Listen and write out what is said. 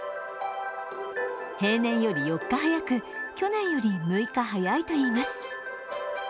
平年より４日早く去年より６日早いといいます。